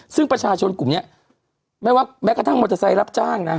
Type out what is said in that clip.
ซึ่งประชาชนกลุ่มนี้ไม่ว่าแม้กระทั่งมอเตอร์ไซค์รับจ้างนะ